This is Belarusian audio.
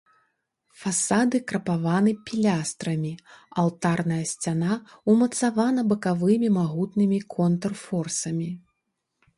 Фасады крапаваны пілястрамі, алтарная сцяна ўмацавана бакавымі магутнымі контрфорсамі.